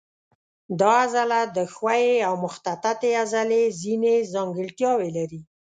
دا عضله د ښویې او مخططې عضلې ځینې ځانګړتیاوې لري.